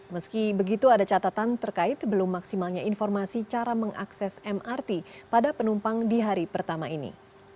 meski begitu ada catatan terkait belum maksimalnya informasi cara mengakses mrt pada penumpang di hari pertama ini